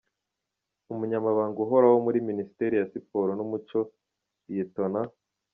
Umunyamabanga Uhoraho muri Minisiteri ya Siporo n’Umuco, Lt.